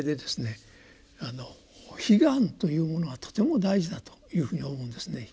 「悲願」というものはとても大事だというふうに思うんですね。